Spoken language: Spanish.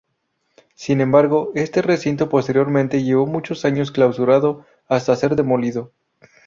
Sin embargo, este recinto posteriormente llevó muchos años clausurado hasta ser demolido.